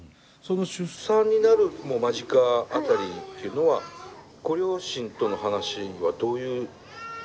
その出産になる間近辺りっていうのはご両親との話はどういう状況だったんですか？